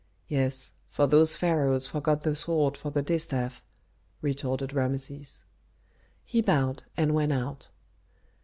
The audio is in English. "Yes, for those pharaohs forgot the sword for the distaff," retorted Rameses. He bowed and went out.